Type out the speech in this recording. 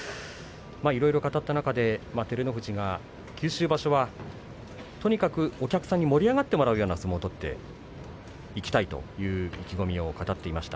いろいろ語った中で照ノ富士が九州場所はとにかくお客さんに盛り上がってもらうような相撲を取っていきたいという意気込みを語っていました。